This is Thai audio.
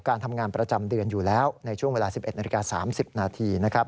การทำงานประจำเดือนอยู่แล้วในช่วงเวลา๑๑นาฬิกา๓๐นาทีนะครับ